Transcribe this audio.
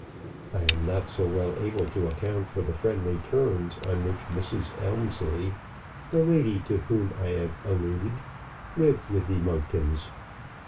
I am not so well able to account for the friendly terms on which Mrs. Elmslie (the lady to whom I have alluded) lived with the Monktons.